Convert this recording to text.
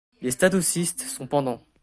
Les statocystes sont pendants.